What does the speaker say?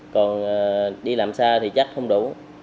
còn đi làm xa thì chắc không đủ